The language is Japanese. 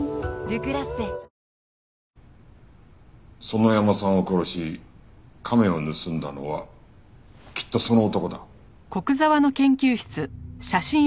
園山さんを殺し亀を盗んだのはきっとその男だ。